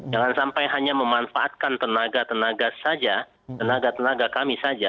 jangan sampai hanya memanfaatkan tenaga tenaga saja tenaga tenaga kami saja